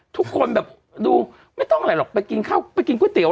ทุกคนแบบดูไม่ต้องอะไรหรอกไปกินข้าวไปกินก๋วเตี๋